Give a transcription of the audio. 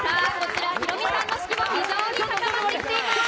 ヒロミさんの士気も非常に高まってきています。